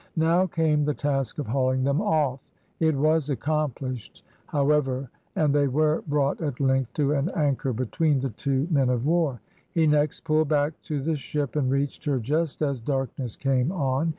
Now came the task of hauling them off; it was accomplished, however, and they were brought at length to an anchor between the two men of war. He next pulled back to the ship, and reached her just as darkness came on.